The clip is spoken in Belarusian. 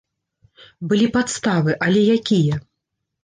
Былі падставы, але якія?